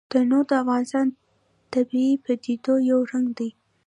تنوع د افغانستان د طبیعي پدیدو یو رنګ دی.